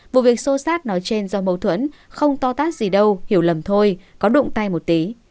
vụ việc xô xát nói trên do mâu thuẫn không tó tác gì đâu hiểu lầm thôi có đụng tay một tí